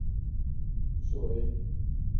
水涯狡蛛为盗蛛科狡蛛属的动物。